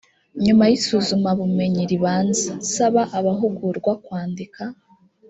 nyuma y isuzumabumenyi ribanza saba abahugurwa kwandika